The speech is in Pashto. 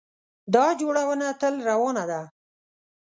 دا جوړونه تل روانه ده.